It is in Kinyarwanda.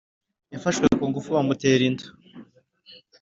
Yafashwe kungufu bamutera inda